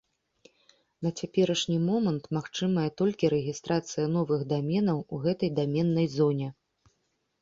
На цяперашні момант магчымая толькі рэгістрацыя новых даменаў у гэтай даменнай зоне.